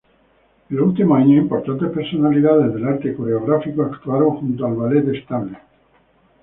En los últimos años importantes personalidades del arte coreográfico actuaron junto al Ballet Estable.